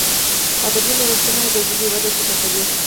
ادبي نوښتونه د ژبي وده چټکوي.